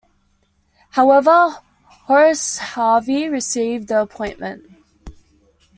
However, Horace Harvey received the appointment.